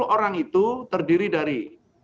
sepuluh orang itu terdiri dari